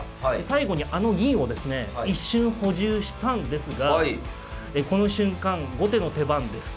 最後にあの銀をですね一瞬補充したんですがこの瞬間後手の手番です。